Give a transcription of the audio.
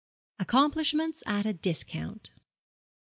ACCOMPLISHMENTS AT A DISCOUNT.